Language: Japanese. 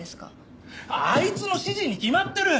あいつの指示に決まってる！